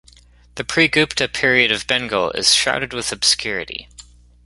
The pre-Gupta period of Bengal is shrouded with obscurity.